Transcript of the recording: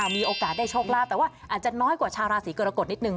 มีโอกาสได้โชคลาภแต่ว่าอาจจะน้อยกว่าชาวราศีกรกฎนิดนึ